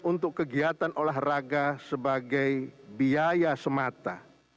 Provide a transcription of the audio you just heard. untuk kegiatan olahraga sebagai biaya semata